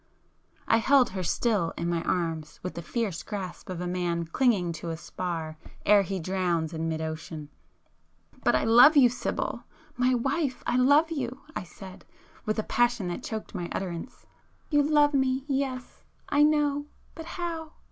I held her still in my arms with the fierce grasp of a man clinging to a spar ere he drowns in mid ocean. "But I love you Sibyl!——my wife, I love you!" I said, with a passion that choked my utterance. [p 310]"You love me,—yes, I know, but how?